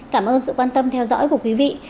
cảm ơn sự quan tâm theo dõi của quý vị